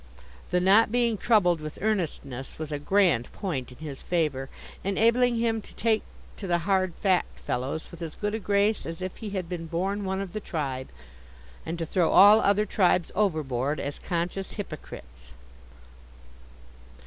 The not being troubled with earnestness was a grand point in his favour, enabling him to take to the hard Fact fellows with as good a grace as if he had been born one of the tribe, and to throw all other tribes overboard, as conscious hypocrites.